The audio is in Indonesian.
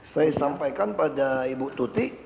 saya sampaikan pada ibu tuti